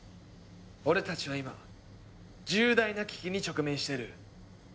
俺たちは今重大な危機に直面してる。